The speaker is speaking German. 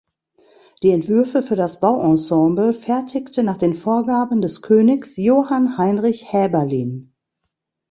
Die Entwürfe für das Bauensemble fertigte nach den Vorgaben des Königs Johann Heinrich Haeberlin.